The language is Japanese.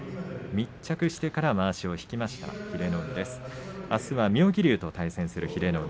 密着してからまわしを引きました英乃海。